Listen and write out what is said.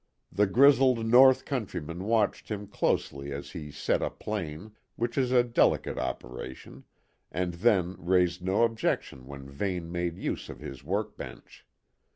The grizzled North countryman watched him closely as he set a plane, which is a delicate operation, and then raised no objection when Vane made use of his work bench.